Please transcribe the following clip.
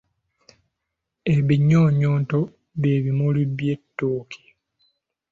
Ebinyonyonto bye bimuli by’ettooke.